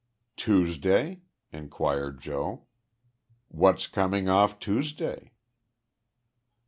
"Tuesday?" inquired Joe. "What's coming off Tuesday?"